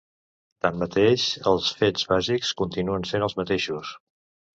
Tanmateix, els fets bàsics continuen sent els mateixos.